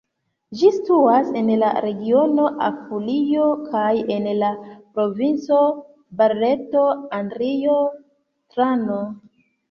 Ĝi situas en la regiono Apulio kaj en la provinco Barleto-Andrio-Trano.